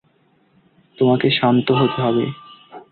তোমাকে শান্ত হতে হবে।